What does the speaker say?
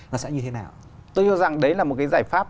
nó sẽ như thế nào tôi nghĩ rằng đấy là một cái giải pháp